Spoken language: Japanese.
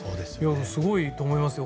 すごいと思いますよ。